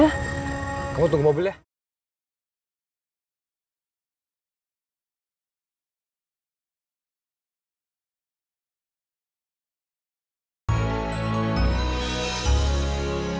kamu tunggu mobil ya